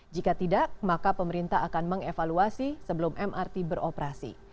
jika tidak maka pemerintah akan mengevaluasi sebelum mrt beroperasi